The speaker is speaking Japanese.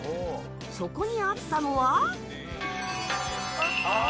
そこにあったのは。